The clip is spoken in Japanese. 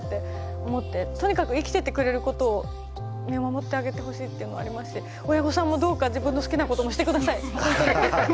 とにかく生きててくれることを見守ってあげてほしいっていうのはありますし親御さんもどうか自分の好きなこともして下さいほんとに。